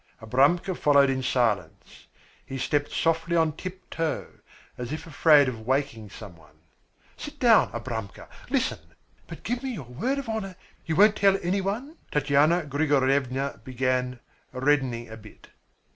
Abramka followed in silence. He stepped softly on tiptoe, as if afraid of waking some one. "Sit down, Abramka, listen but give me your word of honour, you won't tell any one?" Tatyana Grigoryevna began, reddening a bit.